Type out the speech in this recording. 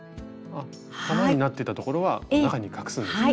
玉になってたところは中に隠すんですね。